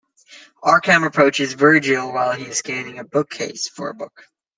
Arkham approaches Vergil while he is scanning a bookcase for a book.